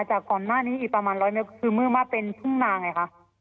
จากก่อนหน้านี้อีกประมาณร้อยเมตรคือเมื่อมาเป็นทุ่งนาไงคะ